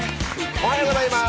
おはようございます。